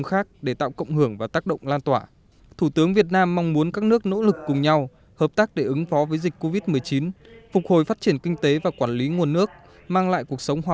khi cả thế giới đang tập trung chú ý vào việc đối phó với dịch covid một mươi chín những tác động tiêu cực đến từ biến đổi khí hậu cũng cần được quan tâm đúng mức